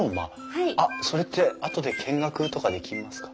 それってあとで見学とかできますか？